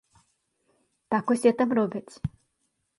Так усе там робяць.